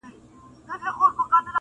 • زه مي د عُمر د خزان له څانګي ورژېدم -